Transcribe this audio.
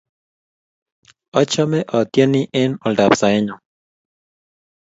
achame atieni eng' oldab saet nyo